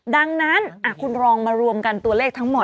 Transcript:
ดังนั้นคุณลองมารวมกันตัวเลขทั้งหมด